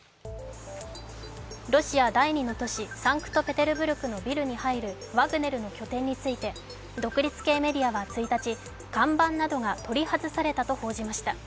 ロシア第二の都市サンクトペテルブルクのビルに入るワグネルの拠点について独立系メディアは１日、看板などが取り外されたと報じました。